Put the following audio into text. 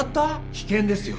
危険ですよ。